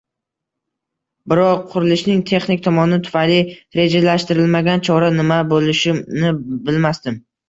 Biroq, "qurilishning texnik tomoni tufayli rejalashtirilmagan chora" nima bo'lishini bilmasdim